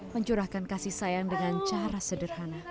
mencurahkan kasih sayang dengan cara sederhana